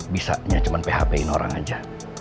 bisanya cuma php in orang aja